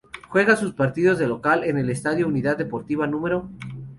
Juega sus partidos de local en el Estadio Unidad Deportiva No.